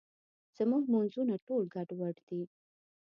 زموږ مونځونه ټول ګډوډ دي.